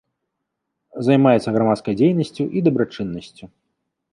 Займаецца грамадскай дзейнасцю і дабрачыннасцю.